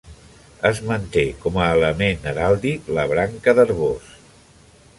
Es manté com a element heràldic la branca d'arboç.